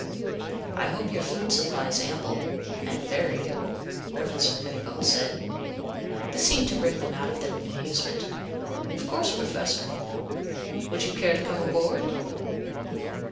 "I hope your food supply is ample and varied," Professor Pettibone said. This seemed to bring them out of their bemusement. "Of course, Professor. Would you care to come aboard?"